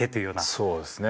そうですね。